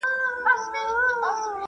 دوړې د بدن پوستکي ته زیان رسوي.